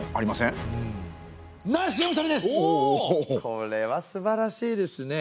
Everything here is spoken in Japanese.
これはすばらしいですね。